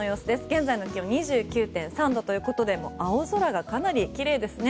現在の気温２９．３度ということで青空がかなりきれいですね。